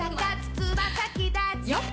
つま先だちよっ！